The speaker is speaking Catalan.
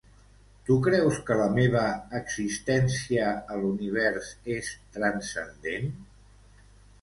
Tu creus que la meva existència a l'Univers és transcendent?